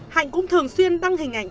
hạnh cũng thường xuyên đăng hình ảnh